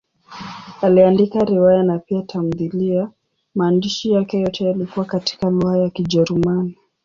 Aliandika riwaya na pia tamthiliya; maandishi yake yote yalikuwa katika lugha ya Kijerumani.